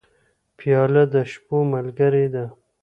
پیاله د شپو ملګرې ده.